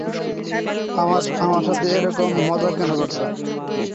আমার সাথে এরকম মজা কেনো করছ?